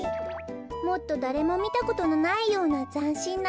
もっとだれもみたことのないようなざんしんな